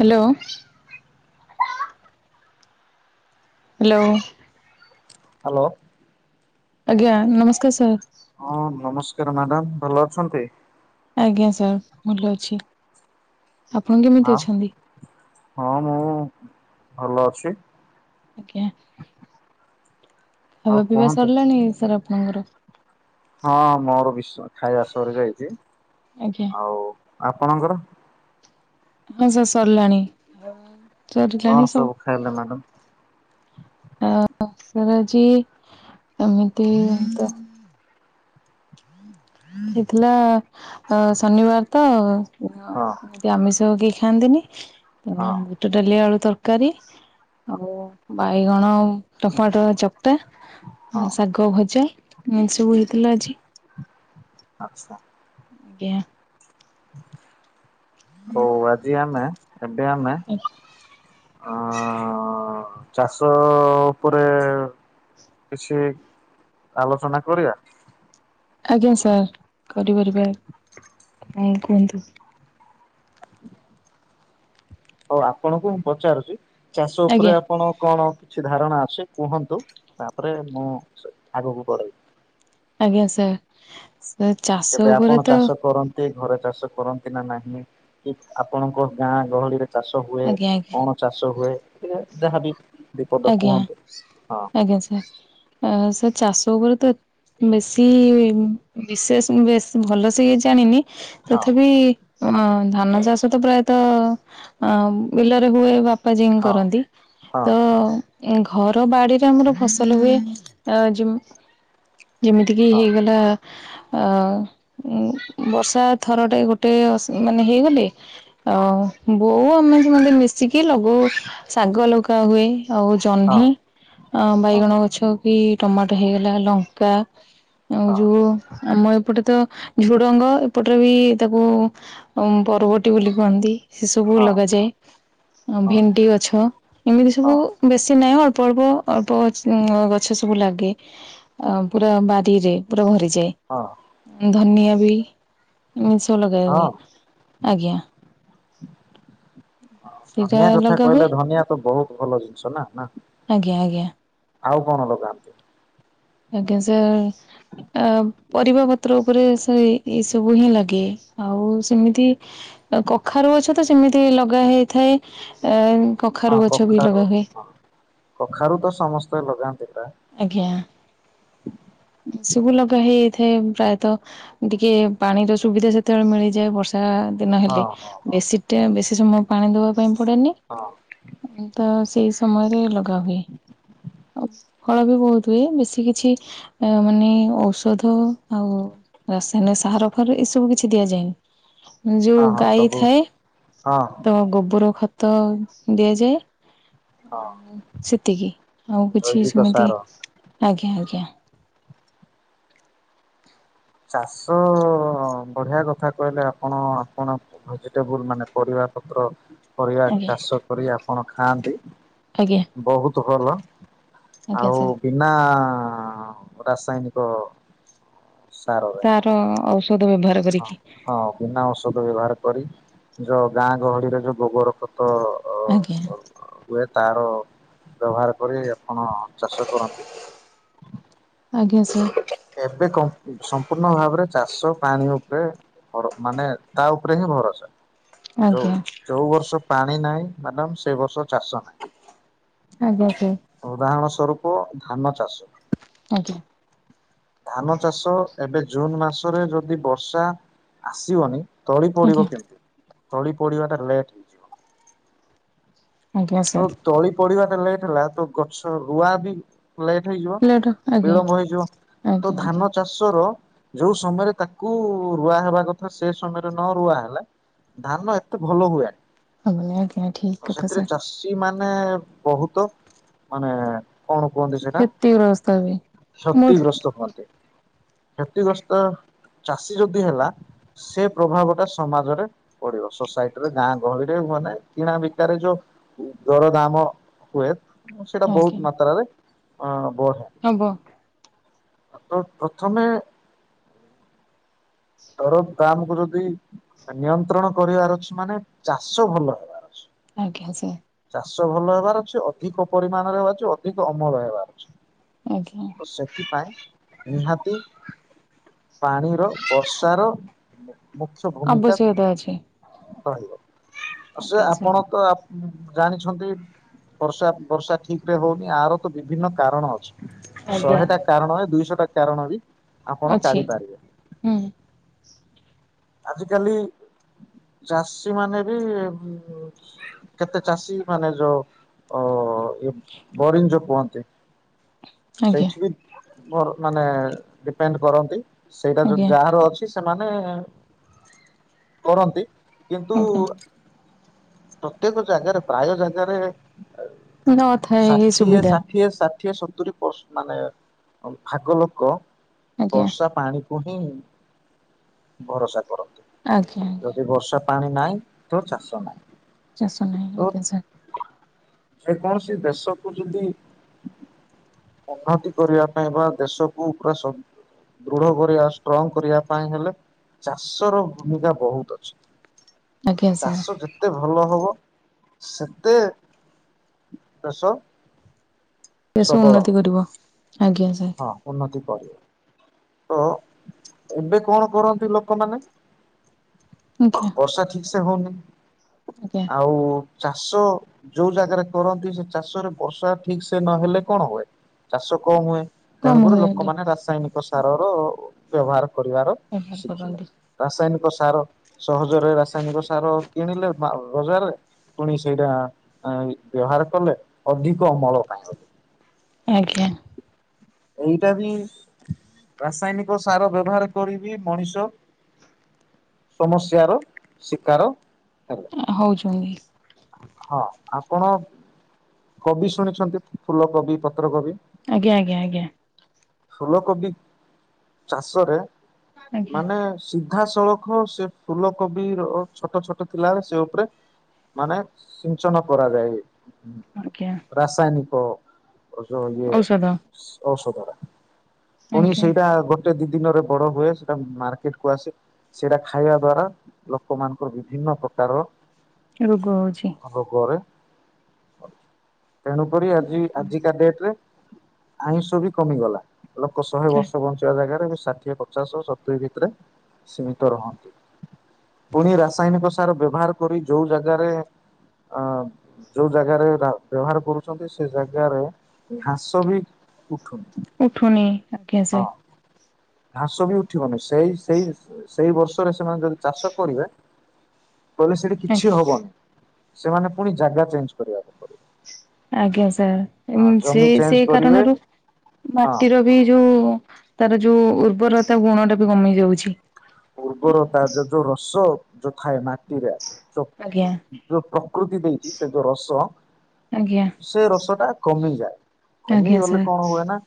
Hello. Hello. Hello. ଆଜ୍ଞା ନମସ୍କାର sir. ହଁ ନମସ୍କାର ମ୍ୟାଡାମ ଭଲ ଅଛନ୍ତି? ଆଜ୍ଞା ସାର୍ ଭଲ ଅଛି। ଆପଣ କେମିତି ଆଉ ଅଛନ୍ତି? ହଁ ମୁଁ ଭଲ ଅଛି। ଆଜ୍ଞା ଆଉ ଖାଇବା ପିଇବା କୁହନ୍ତୁ। ସରିଲାଣି ସାର୍ ଆ ଆପଣଙ୍କର? ହଁ ମୋର ବିଶ ଖାଇବା ସରିଯାଇଛି। ଆଜ୍ଞା ଆଉ ଆପଣଙ୍କର? ହଁ ସାର ସରିଲାଣି। କଣ ସାରିଲାଣି ସବୁ। ଖାଇଲେ ମ୍ୟାଡ଼ାମ? ଓ ମୁଁ ଆଜି ଏମିତି ତ ହେଇଥିଲା ଅ ଶନିବାର ତ ହଁ ଅ ଆମିଷ କି ଖାଆନ୍ତିନି ହଁ ତ ବୁଟ ଡାଲି ଆଳୁ ତରକାରୀ ଆଉ ବାଇଗଣ ଟମାଟୋ ଚକ୍ଟା ଆ ହଁ ଶାଗ ଭଜା ଏ ସବୁ ହେଇଥିଲ ଆଜି। ଆଚ୍ଛା ଆଜ୍ଞା। ହଉ ଆଜି ଆମେ ଏବେ ଆମେ ଅଁ ଚାଷ ଅ ଉପରେ କିଛି ଆଲୋଚନା କରିବା। ଆଜ୍ଞା ସାର୍ କରିପାରିବା ହଁ କୁହନ୍ତୁ। ହଉ ଆପଣଙ୍କୁ ମୁଁ ପଚାରୁଚି ଚାଷ ଆଜ୍ଞା ଉପରେ ଆପଣ କଣ କିଛି ଧାରଣା ଅଛି କୁହନ୍ତୁ ତାପରେ ମୁଁ ଆଗକୁ ବଢିବି। ଆଜ୍ଞା ସାର୍ ସାର୍ ଚାଷ ଉପରେ ତ କିଏ ଘର ଚାଷ କରନ୍ତି ନା ନାହିଁ କି ଆପଣଙ୍କ ଗାଁ ଗହଳିରେ ଚାଷ ହୁଏ ଆଜ୍ଞା ଆଜ୍ଞା କଣ ଚାଷ ହୁଏ ଇଏ ଯାହାବି ଦି ପଦ ଆଜ୍ଞା କୁହନ୍ତୁ ହଁ ଆଜ୍ଞା ସାର୍ ଆ ସା ଚାଷ ଉପରେ ତ ବେଶୀ ବିଶେଷ ବେଶ୍ ଭଲ ସେ କି ଜାଣିନି। ହଁ ତଥାପି ଅ, ମ ଧାନ ଚାଷ ତ ପ୍ରାୟତଃ ଅ ବିଲରେ ହୁଏ ବା ଉପାଜିଙ୍ଗ ହଁ କରନ୍ତି ହଁ ତ ଘର ବାଡ଼ିରେ ଆମର ଫସଲ ହୁଏ ଅ ଯେ ଯେମିତି କିି ହଁ ହେଇଗଲା ଅ ବର୍ଷା ଥର ଟେ ଗୋଟେ ଅସ ମାନେ ହେଇଗଲେ ଓ ବୋଉ ଆମେ ସେମତେ ମିଶିକି ଲଗଉ ଶାଗ ଲଗା ହୁଏ ଆଉ ହଁ ଜହ୍ନି ଅ ହଁ ବାଇଗଣ ଗଛ କି ଟମାଟୋ ହେଇଗଲା ଲଙ୍କା ଆଉ ହଁ ଯୋଉ ଆମ ଏପ ଏପଟେ ତ ଝୁଡ଼ଙ୍ଗ ଏପଟରେ ବି ତାକୁ ଉ ପରର୍ବଟିୀ ବୋଲି କୁହନ୍ତି। ସେ ସବୁ ହଁ ଲଗାଯାଏ ଆ ହଁ ଭେଣ୍ଡି ଗଛ ଏମିତି ସବୁ ହଁ ବେଶୀ ନାହିଁ ଅଳ୍ପ ଅଳ୍ପ ଅଳ୍ପ ଗ ଗଛ ସବୁ ଲାଗେ ପୁରା ବାରିରେ ପୁରା ଘରେ। ଚେ ହଁ ଧନିଆ ବି ଏମିତି ସବୁ ଲଗାହୁଏ ହଁ ଆଜ୍ଞା। ହଁ ସେଇଟା ଧନିଆ କଥା ଲଗା ହୁଏ କହିଲ ଧନିଆ ତ ବହୁତ ଭଲ ଜିନିଷ ନା ନା ଆଜ୍ଞା ଆଜ୍ଞା। ଆଉ କଣ ଲଗାନ୍ତି। ଆଜ୍ଞା ସାର୍ ଅ ପରିବା ପତ୍ର ଉପରେ ସେଇ ଏସବୁ ହିଁ ଲାଗେ। ଆଉ ସେମିତି କଖାରୁ ଗଛ ତ ସେମିତି ଲଗା ହେଇଥାଏ ଅ ହଁ କଖାରୁ ହଁ କଖାରୁ ତ ସମସ୍ତେ ଲଗାନ୍ତି ପ୍ରା ଆଜ୍ଞା ଏ ସବୁ ଲଗା ହେ ହେଇଥାଏ ପ୍ରାୟତଃ ଟିକେ ପାଣିର ସୁବିଧା ସେତେବେଳେ ମିଳିଯାଏ ବର୍ଷା ଆ ଦିନ ହଁ ହେଲେ ହଁ ହଁ ବେଶୀ ଟା ବେଶୀ ସମୟ ପାଣି ଦବା ପାଇଁ ପଡ଼େନି ହଁ ନହେଲେ ତ ସେଇ ସମୟରେ ଲଗାହୁଏ ଆଉ ଫଳ ବି ବହୁତ ହୁଏ ବେଶୀ କିଛି ଅ ମାନେ ଔଷଧ ଆଉ ରାସାୟନିକ ସାହାର ଫାର ଏସବୁ କିଛି ଦିଆଯାଏନି। ଯୋଉ ହଁ ହଁ ଗାଈ ସବୁ ଥାଏ ହଁ ତ ଗୋବର ଖତ ଦିଆଯାଏ। ହଁ ଆଉ ସେତିକି ଆଉ କିଛି ଜୈବିକ ସେମିତି ସାର ଆଜ୍ଞା ଆଜ୍ଞା। ଚାଷ ଅ, ଅ, ଅ, ବଢିଆ କଥା କହିଲେ ଆପଣ ଆପଣ ଭେଜିଟେବୁଲ ମାନେ ପରିବା ପତ୍ର ପରିବା ଆଜ୍ଞା ଚାଷ କରିବା କଣ ଖାଆନ୍ତି ଆଜ୍ଞା ବୋହୁତ ଭଲ ଆଜ୍ଞା ଆଉ ସାର୍ ବିନା ରାସାୟନିକ ସାରରେ ତାର ଅ ହଁ ହଁ ବିନା ଔଷଧ ବ୍ୟବହାର କରି। ନିଜ ଗାଁ ଗହଳିରେ ଯୋଉଁ ଗୋବର ଖ ଆଜ୍ଞା। ତାର ବ୍ୟବହାର କରି ଆପଣ ଚାଷ କରନ୍ତି। ଆଜ୍ଞା ସାର୍। ଏବେ ସମ୍ପୂର୍ଣ୍ଣ ଭାବରେ ଚାଷ ପାଣି ଉପରେ ମାନେ ତା ଉପରେ ହିଁ ଭରସା ଯୋଉଁ ଆଜ୍ଞା ଯୋଉଁ ବର୍ଷ ପାଣି ନାହିଁ। ମ୍ୟାଡ଼ମ ସେ ବର୍ଷ ଚାଷ ନାହିଁ। ଆଜ୍ଞା ସାର୍ ଉଦାହରଣ ସ୍ୱରୂପ ଧାନ ଚାଷ। ଆଜ୍ଞା। ଧାନ ଚାଷ ଏବେ ଜୁନ ମାସରେ ଯଦି ବର୍ଷା ଆସିବନି ତଳି ପଡ଼ିବ ଆଜ୍ଞା କେମିତି? ତଳି ପଡ଼ିବା ଟା ଲେଟ ହେଇଯିବ। ଆଜ୍ଞା ତ ସାର୍ ତଳି ପଡିବା ଟା ଲେଟ ହେଲା ତ ଗଛ ରୁଆ ବି ଲେଟ ହେଇଯିବ। ପିଲାଟା ଆଜ୍ଞା ବିଳମ୍ବ ହେଇଯିବ। ତ ଆଜ୍ଞା ଆଜ୍ଞା ଧାନ ଚାଷ ର ଯୋଉଁ ସମୟରେ ତାକୁ ରୁଆ ହେବା କଥା ସେ ସମୟରେ ନ ରୁଆ ହେଲା ଧାନ ଏତେ ଭଲ ହୁଏନି। ଆଜ୍ଞା ଆଜ୍ଞା ଠିକ୍ ତ କଥା ସେଥିରେ ସାର୍। ଚାଷୀ ମାନେ ବହୁତ ମାନେ କଣ କୁହନ୍ତି ସେଟା କ୍ଷତିଗ୍ରସ୍ତ ହୁଏ ମୁଁ କ୍ଷତିଗ୍ରସ୍ତ ହୁଅନ୍ତି। କ୍ଷତିଗ୍ରସ୍ତ ଚାଷୀ ଯଦି ହେଲା ସେ ପ୍ରଭାବ ଟା ସମାଜରେ ପଡିବ। ସୋସାଇଟିରେ ଗାଁ ଗହଳିରେ ମନେ କିଣା ବିକାରେ ଯୋଉଁ ଦରଦାମ ହୁଏ, ସେଇଟା ବହୁତ ମାତ୍ରାରେ ଅ ବଢେ ହେବ। ତ ପ୍ରଥମେ ଦର ଦାମ କୁ ଯଦି ନିୟନ୍ତ୍ରଣ କରିବାର ଅଛି, ମାନେ ଚାଷ ଭଲ ହେବାର ଅଛି। ଆଜ୍ଞା ସାର୍। ଚାଷ ଭଲ ହେବାର ଅଛି। ଅଧିକ ପରିମାଣରେ ହେବାର ଅଛି। ଅଧିକ ଅମଳ ହେବାର ଅଛି। ଆଜ୍ଞା ଓ ସେଥିପାଇଁ ନିହାତି ପାଣିର ବର୍ଷାର ମୁଖ୍ୟ ଭୂମିକା ଆବଶ୍ୟକତା ଅଛି। ରହିବ। ସେ ଆଜ୍ଞା ସାର୍ ଆପଣ ତ ଜାଣିଛନ୍ତି। ବର୍ଷା ବର୍ଷା ଠିକ ରେ ହଉନି ଆର ତ ବିଭିନ୍ନ କାରଣ ଅଛି। ଆଜ୍ଞା ଶହେଟା କାରଣ ଦୁଇଶହ ଟା କାରଣ ବି ଆପଣ ଅଛି କାଢିପାରିବେ। ହୁଁ ଆଜିିକାଲି ଚାଷୀ ମାନେ ବି ମ କେତେ ଚାଷୀ ମାନେ ଯୋଉଁ ଅ ବରିଞ୍ଜ କୁହନ୍ତି। ଆଜ୍ଞା ସେଇଠି ବି ମୋର ମାନେ ଡିପେଣ୍ଡ କରନ୍ତି। ସେଇଟା ଆଜ୍ଞା ଯଦି ଅଛି ସେମାନେ କରନ୍ତି। କିନ୍ତୁ ଆଜ୍ଞା। ପ୍ରତ୍ୟେକ ଜାଗାରେ ପ୍ରାୟ ଜାଗାରେ ନଥାଏ ଏହି ଷାଠିଏ ସୁବିଧା ଷାଠିଏ ଷା ଷାଠିଏ ସତୁରି ପରସ ମାନେ ଭାଗ ଲୋକ ଆଜ୍ଞା ବର୍ଷା ପାଣିକୁ ହିଁ ଭରସା କରନ୍ତ। ଆଜ୍ଞା ଆଜ୍ଞା। ପାଣି ନାହିଁ ତ ଚାଷ ନାହିଁ। ଚାଷ ତ ନାହିଁ। ଆଜ୍ଞା ସାର୍। ଯେକୌଣସି ଦେଶକୁ ଯଦି ଉନ୍ନତି କରିବା ପାଇଁ ବା ଦେଶକୁ ପୁରା ଦୃଢ କରି ଆସୁ ଷ୍ଟ୍ରଙ୍ଗ କରିବା ପାଇଁ ହେଲେ ଚାଷ ର ଭୂମିକା ବହୁତ ଅଛି। ଆଜ୍ଞା ସାର୍ ଚାଷ ଯେତେ ଭଲ ହବ ସେତେ ଦେଶ ଦେଶ ସବଳ ଉନ୍ନତି ହବ। କରିବ। ଆଜ୍ଞା ସାର୍ ହଁ ଉନ୍ନତି। ତ ଏବେ କଣ କରନ୍ତି ଲୋକମାନେ। ଆଜ୍ଞା ବର୍ଷା ଠିକ ସେ ହଉନି ଆଜ୍ଞା ଆଉ। ଚାଷ ଯୋଉ ଜାଗାରେ କରନ୍ତି ସେ ଚାଷରେ ବର୍ଷା ଠିକ୍ ସେ ନହେଲେ କଣ ହୁଏ। ଚାଷ କମ ହୁଏ କମ ତେଣୁକରି ହୁଏ ଆଜ୍ଞା ଲୋକମାନେ ରାସାୟନିକ। ସାର ର ବ୍ୟବହାର କରିବାର ବ୍ୟବହାର ଶିଖିଲେ କରନ୍ତି। ରାସାୟନିକ। ସାର ସହଜରେ ରାସାୟନିକ ସାର କିଣିଲେ ମା ବଜାରରେ। ପୁଣି ସେଇଟା ଆଁ-ଆଁ ବ୍ୟବହାର କଲେ ଅଧିକ ଅମଳ କାୟ ବେଲି। ଆଜ୍ଞା। ଏଇଟା ବି। ରାସାୟନିକ ସାର ବ୍ୟବହାର କରିବି ମଣିଷ। ସମସ୍ୟାର ଶିକାର। ହେଲେ ହଉଛନ୍ତି। ହଁ ଆପଣ କୋବି ଶୁଣିଛନ୍ତି ଫୁଲ କୋବି ପତ୍ର କୋବି। ଆଜ୍ଞା ଆଜ୍ଞା ଆଜ୍ଞା। ଫୁଲକୋବି ଚାଷରେ ଆଜ୍ଞା। ମାନେ ସି ଧା ସଳଖ ସେ ଫୁଲ କୋବି ର ଛୋଟ ଛୋଟ ଥିଲା ବେଳେ ସେ ଉପରେ। ମାନେ ସିଞ୍ଚନ କରାଯାଏ। ଆଜ୍ଞା ରାସାୟନିକ ଯୋଉ ଇଏ ଔଷଧ ଔଷଧ। ପୁଣି ଆଜ୍ଞା ସେଇଟା ଗୋଟେ ଦି ଦିନରେ ବଡ ହୁଏ ସେଟା ମାର୍କେଟ କୁ ଆସେ। ସେଇଟା ଖାଇବା ଦ୍ଵାରା ଲୋକ ମାନଙ୍କର ବିଭିନ୍ନ ପ୍ରକାରର। ରୋଗ ହଉଛି। ତେଣୁକରି ଆଜି ଆଜି କା ଡେଟ୍ ରେ। ଆଇଁଷ ବି କମିଗଲା ଲୋକ ଶହେ ବର୍ଷ ବଞ୍ଚିବା ଜାଗାରେ ଏବେ। ଷାଠିଏ ପଚାଶ ଓ ସତୁରିୀ ଭିତରେ ସୀମିତ ରହନ୍ତି। ପୁଣି ରାସାୟନିକ ସାର ବ୍ୟବହାର କରି ଯୋଉ ଜାଗାରେ ଆଁ। ଯୋଉ ଜାଗାରେ ଘା ବ୍ୟବହାର କରୁଛନ୍ତି ସେ ଜାଗାରେ ଘାସ ବି ଉଠୁନି। ଉଠୁନି ଆଜ୍ଞା ହଁ ସାର୍। ଘାସ ବି ଉଠିବନି ସେଇ ସେଇ ସେଇ ବର୍ଷରେ ସେମାନେ ଯଦି ଚାଷ କରିବେ। କହିଲେ ସେଠି କିଛି ଆଜ୍ଞା। ହବନି ସେମାନେ ପୁଣି ଜାଗା ଚେଞ୍ଜ କରିବାକୁ ପଡିବ। ଆଜ୍ଞା ସାର୍। ହଁ ସେ ଜମି ଚେଞ୍ଜ ସେଇ କରିବେ କାରଣରୁ ହଁ ମାଟିର ବି ଯୋଉ। ତାର ଯୋଉ ଉର୍ବର ତା ଗୁଣ ଟା ବି କମି ଯାଉଛି। ଉର୍ବରତା ଯ ଯୋଉ ରସ ଯୋଉ ଥାଏ ମାଟିର। ଯ ଆଜ୍ଞା ଯୋଉ ପ୍ରକୃତି ଦେଇଛି ସେ ଯୋଉ ରସ। ଆଜ୍ଞା ସେ ରସ ଟା କମିଯାଏ ଆଜ୍ଞା କମିଗଲେ ସାର୍ କଣ ହୁଏ ନା।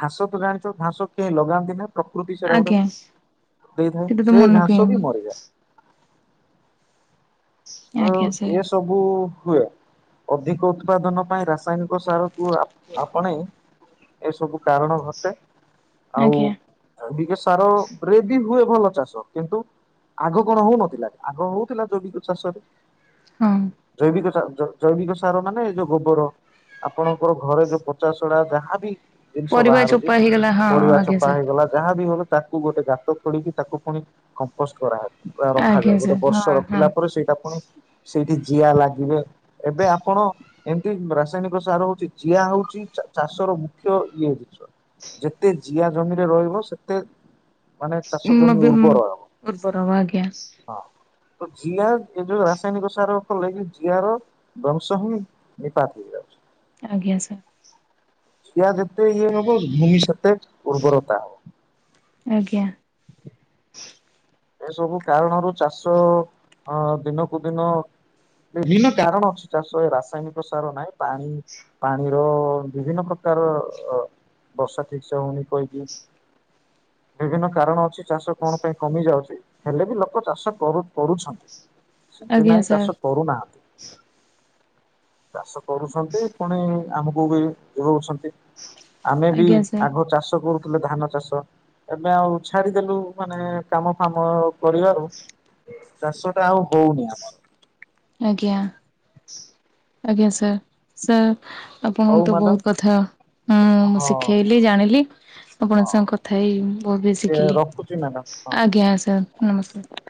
ଘାସ ତ ଜାଣିଛ ଘାସ କେହି ଲଗାନ୍ତି ନା ପ୍ରକୃତି ସେଇଟା ଗୋଟେ। ଆଜ୍ଞା ଦେଇଥାଏ ସେଟା ତ ସେ ମନକୁ ହିଁ ଘାସ ବି ହୁଏ ମରିଯାଏ। ତ ଆଜ୍ଞା ସାର୍ ଏସବୁ ହୁଏ ଅଧିକ ଉତ୍ପାଦନ ପାଇଁ ରାସାୟନିକ ସାର। କୁ ଆପ ଆପଣେଇ ଏ ସବୁ କାରଣ ଘଟେ। ଆଉ ଆଜ୍ଞା ଜ୍ୟେବିକ ସାର ରେ ବି ହୁଏ। ଭଲ ଚାଷ କିନ୍ତୁ ଆଗ କଣ ହଉନଥିଲା ଆଗ ହଉଥିଲା ଜୈବିକ ଚାଷରେ। ହଁ ଜୈବିକ ଚା ଜ ଜୈବିକ ସାର ମାନେ ଏ ଯୋଉ ଗୋବର ଆପଣଙ୍କର ଘରେ ଯୋଉ ପଚାସଡା ଯାହାବି। ଜିନିଷ ପରିବା ବାହାରୁଛି ଚୋପା ହେଇଗଲା ହଁ ପରିବା ଆଜ୍ଞା ଚୋପା ସାର୍ ହେଇଗଲା ଯାହା ବିି ହେଲା। ତାକୁ ଗୋଟେ ଗାତ ଖୋଳିକି ତାକୁ ପୁଣି କମ୍ପୋଷ୍ଟ କରାହେବ। ପୁରା ଆଜ୍ଞା ରଖାଯାଏ ଗୋଟେ ସାର୍ ବର୍ଷ ହଁ ହଁ ରଖିଲା ପରେ ସେଇଟା ପୁଣି- ସେଇଠି ଜିଆ ଲାଗିବେ ଏବେ ଆପଣ ଏମିତି ରାସାୟନିକ ସାର- ଯିଆ ହଉଛି ଚାଷର ମୁଖ୍ୟ ଇଏ ଜିନିଷ ଯେତେ- ଜିଆ ଜମିରେ ରହିବ ସେତେ- ମାନେ ଚାଶ ଉଁ, ଜମି ବି ଉଁ, ଉର୍ବର ହେବ ଉର୍ବର ହବ ଆଜ୍ଞା ହଁ। ତ ଜିଆ ଏ ଯଉ ରା- ରାସାୟନିକ ସାର ଫଳରେକି ଜିଆର ବଂଶ ହିଁ ନିପାତ ହେଇଯାଉଛି। ଆଜ୍ଞା ସାର୍। ଜିଆ ଯେତେ ଇଏ ହବ ଭୂମି ସେତେ ଉର୍ବରତା ହବ। ଆଜ୍ଞା। ଏସବୁ କାରଣରୁ ଚାଷ ଅ ଦିନକୁ ଦିନ ବିଭିନ୍ନ କାରଣ ଅଛି ଚାଷ ଏ ରାସାୟନିକ ସାର ନାହିଁ ପାଣି ପାଣିର ବିଭିନ୍ନ ପ୍ରକାର ବର୍ଷା ଠିକ ସେ ହଉନି କହିକି ବିଭିନ୍ନ କାରଣ ଅଛି। ଚାଷ କଣ ପାଇଁ କମି ଯାଉଛି। ହେଲେ ବି ଲୋକ ଚାଷ କର କରୁଛନ୍ତି। ସେତି ଆଜ୍ଞା ନାଇଁ ସାର୍ ଚାଷ କରୁନାହାନ୍ତି। ଚାଷ କରୁଛନ୍ତି ପୁଣି ଆମକୁ ବି ଯୋଗଉଛନ୍ତି। ଆମେ ବି ଆଜ୍ଞା ସାର୍ ଆଗ ଚାଷ କରୁ। ଧାନ ଚାଷ ଏବେ ଆଉ ଛାଡିଦେଲୁ ମାନେ କାମ କାମ କରିବାରୁ ଚାଷ ଟା ଆଉ ହଉନି ଆମର। ଆଜ୍ଞା ଆଜ୍ଞା ସାର୍ ସାର୍। ହଉ ଆପଣଙ୍କ ତ ମ୍ୟାଡାମ ବହୁତ କଥା ହୁଁ ମୁଁ ହଁ। ଶିଖେଇଲି ଜାଣିଲି। ଆପଣଙ୍କ ସାଙ୍ଗେ ହଉ କଥା ହେଇ ବହୁତ ବି ଟିକେ ଶିଖିଲି। ରଖୁଛି ମ୍ୟାଡ଼ାମ ହଁ ଆଜ୍ଞା ସାର୍ ନମସ୍କାର।